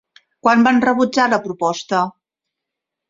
Quan van rebutjar la proposta?